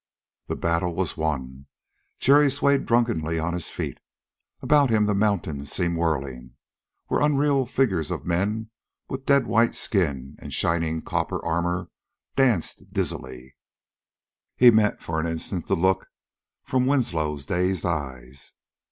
The battle was won. Jerry swayed drunkenly on his feet. About him the mountains seemed whirling, where unreal figures of men with dead white skin and shining copper armor danced dizzily. He met for an instant the look from Winslow's dazed eyes.